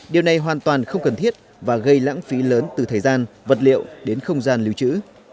điều này hoàn toàn không cần thiết và gây lãng phí lớn từ thời gian vật liệu đến không gian lưu trữ